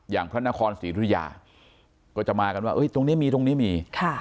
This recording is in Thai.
พระนครศรีธุยาก็จะมากันว่าตรงนี้มีตรงนี้มี